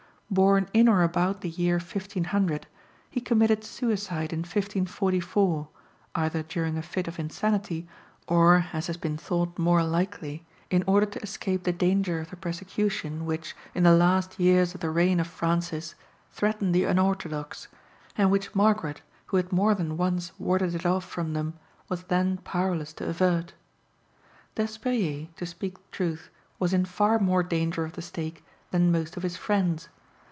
Born in or about the year 1500, he committed suicide in 1544, either during a fit of insanity, or, as has been thought more likely, in order to escape the danger of the persecution which, in the last years of the reign of Francis, threatened the unorthodox, and which Margaret, who had more than once warded it off from them, was then powerless to avert. Despériers, to speak truth, was in far more danger of the stake than most of his friends.